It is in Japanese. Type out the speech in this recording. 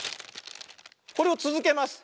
これをつづけます。